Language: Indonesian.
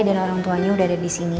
dan orang tuanya udah ada di sini